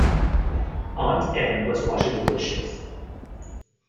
Aunt Em was washing the dishes.